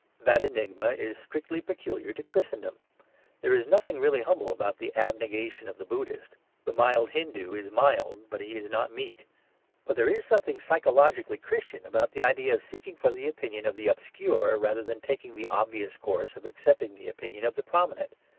That enigma is strictly peculiar to Christendom. There is nothing really humble about the abnegation of the Buddhist; the mild Hindoo is mild, but he is not meek. But there is something psychologically Christian about the idea of seeking for the opinion of the obscure rather than taking the obvious course of accepting the opinion of the prominent.